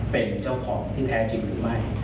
เป็นเจ้าของที่แท้จริงหรือไม่